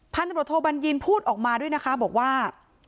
พันธบทโทบัญญีนพูดออกมาด้วยนะคะบอกว่า